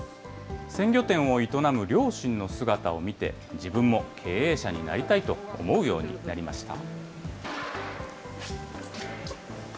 鮮魚店を営む両親の姿を見て、自分も経営者になりたいと思うようになりました。